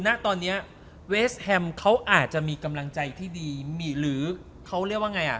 ณตอนนี้เวสแฮมเขาอาจจะมีกำลังใจที่ดีมีหรือเขาเรียกว่าไงอ่ะ